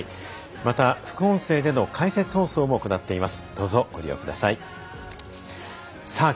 また副音声での解説放送も行っています。